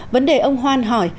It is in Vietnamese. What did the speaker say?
vấn đề ông hoan hỏi